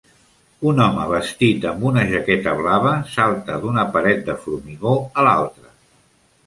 Un home vestit amb una jaqueta blava salta d'una paret de formigó a l'altra.